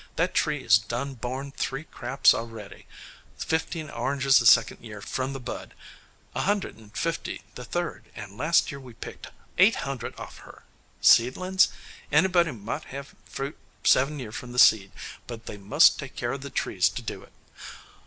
That tree is done borne three craps a'ready fifteen oranges the second year from the bud, a hundred and fifty the third, and last year we picked eight hundred off her. Seedlin's? Anybody mought hev fruit seven year from the seed, but they must take care o' the trees to do it.